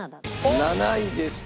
７位でした。